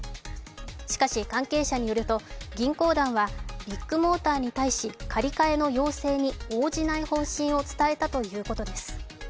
しかし関係者によると銀行団はビッグモーターに対し借り換えの要請に応じない方針を伝えたということです。